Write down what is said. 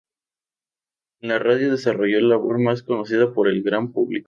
En la radio desarrolló la labor más conocida por el gran público.